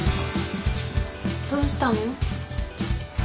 どうしたの？